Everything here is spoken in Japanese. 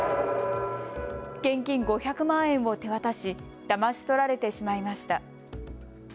現金５００万円を手渡しだまし取られてしまいました。